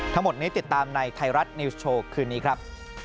ทั้งหมดนี้ติดตามในไทยรัฐนิวส์โชว์คืนนี้ครับ